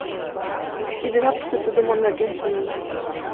Тиде жапыште тудо мо нерген шонен?